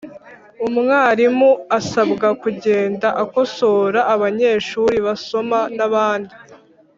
Umwarimu asabwa kugenda akosora abanyeshuri basoma nabi